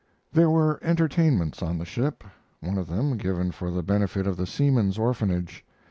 There were entertainments on the ship, one of them given for the benefit of the Seamen's Orphanage.